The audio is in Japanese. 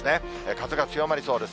風が強まりそうです。